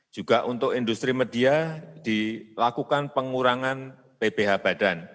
juga untuk industri media dilakukan pengurangan pbh badan